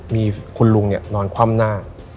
มีคุณลุงนอนคว่ำหน้า